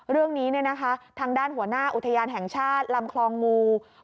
เรื่องนี้ทางด้านหัวหน้าอุทยานแห่งชาติลำคลองงู